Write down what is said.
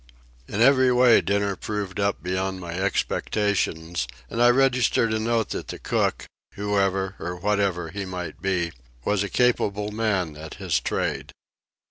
In every way dinner proved up beyond my expectations, and I registered a note that the cook, whoever or whatever he might be, was a capable man at his trade.